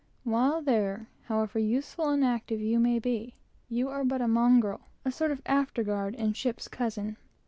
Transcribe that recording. While there, however useful and active you may be, you are but a mongrel, and sort of afterguard and "ship's cousin."